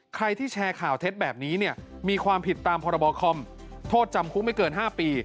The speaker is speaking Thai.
ใครที่แชร์ข่าวเท็จแบบนี้เนี่ยมีความผิดตามพรบคอมโทษจำคุกไม่เกิน๕ปี